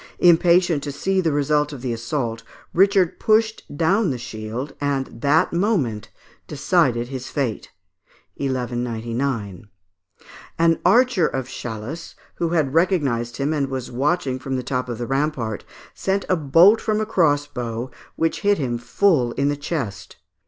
Impatient to see the result of the assault, Richard pushed down the shield, and that moment decided his fate (1199). An archer of Chalus, who had recognised him and was watching from the top of the rampart, sent a bolt from a crossbow, which hit him full in the chest.